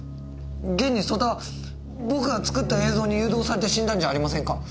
現に曽田は僕が作った映像に誘導されて死んだんじゃありませんか。